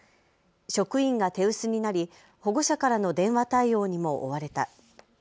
職員が手薄になり保護者からの電話対応にも追われた。